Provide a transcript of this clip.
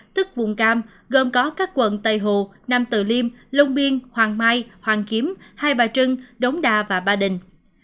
tức vùng cam gồm có các quận tây hồ nam tự liêm lông biên hoàng mai hoàng kiếm hai bà trưng đống đa và ba đình